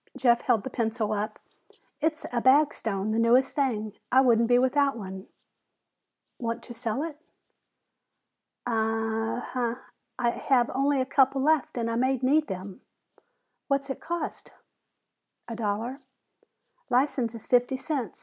Jeff held the pencil up. "It's a Bagstone, the newest thing. I wouldn't be without one." "Want to sell it?" "Uh uh. I have only a couple left and I may need them." "What's it cost?" "A dollar." "License is fifty cents.